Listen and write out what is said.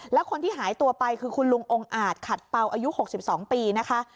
แล้วคนที่หายตัวไปคือคุณลุงองค์อาจขัดเป่าอายุ๖๒ปีนะคะ